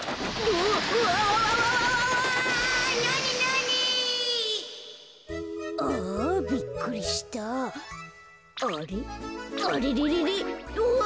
うわ！